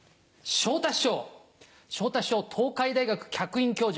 昇太師匠東海大学客員教授